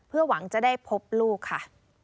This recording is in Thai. เพื่อหวังจะได้พบลูกค่ะ